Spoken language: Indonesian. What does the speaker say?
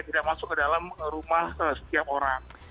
tidak masuk ke dalam rumah setiap orang